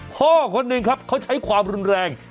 พ่อคนหนึ่งครับเขาใช้ความรุนแรง